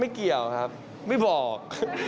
เกี่ยวครับไม่บอก